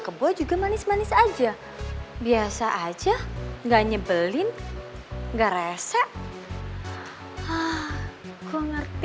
kamu mau ngapain aku